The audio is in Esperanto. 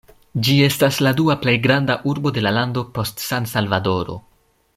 Ĝi estas la dua plej granda urbo de la lando post San-Salvadoro.